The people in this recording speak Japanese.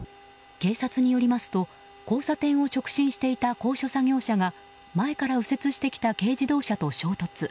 警察によりますと交差点を直進していた高所作業車が前から右折してきた軽自動車と衝突。